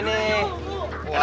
enak lu ya